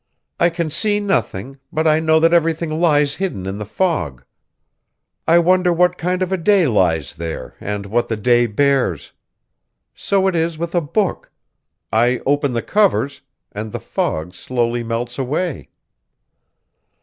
I can see nothing, but I know that everything lies hidden in the fog. I wonder what kind of a day lies there, and what the day bears. So it is with a book, I open the covers, and the fog slowly melts away!"